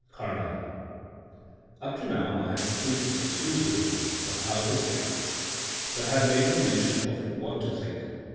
— CAHLYLiB. UP to now I have treated exclusively of how to think, but have made no mention of what to think.